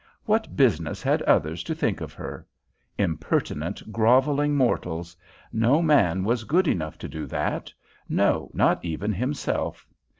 What business had others to think of her? Impertinent, grovelling mortals! No man was good enough to do that no, not even himself.